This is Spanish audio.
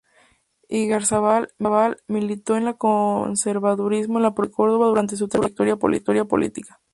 Igarzábal militó en el conservadurismo de la provincia de Córdoba durante su trayectoria política.